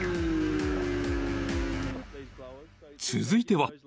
［続いては］